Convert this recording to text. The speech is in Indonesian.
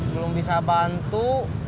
belum bisa bantu